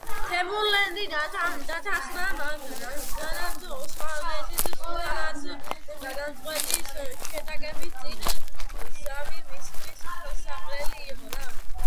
თემურლენგი დათანხმდა, რადგანაც ოსმალეთის სულთანთან გადამწყვეტი შეტაკების წინ ზავი მისთვის ხელსაყრელი იყო.